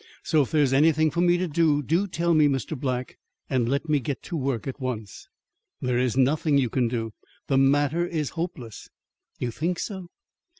So if there is anything for me to do, do tell me, Mr. Black, and let me get to work at once." "There is nothing you can do. The matter is hopeless." "You think so?"